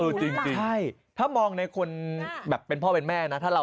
ตกใจนะเนี้ยลิต้ารับลึกขนาดนี้ลับลึกหรือยังไงหรือเปล่า